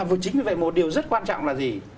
và chính vì vậy một điều rất quan trọng là gì